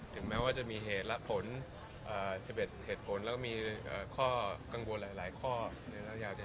ถึงแม้ว่าจะมีเหตุและผลเสบ็จเหตุผลและมีข้อกังวลหลายข้อในรัฐยาวเนี่ย